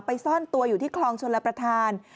ซ่อนตัวอยู่ที่คลองชลประธาน